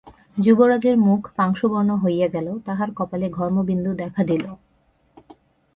যুবরাজের মুখ পাংশুবর্ণ হইয়া গেল, তাঁহার কপালে ঘর্মবিন্দু দেখা দিল।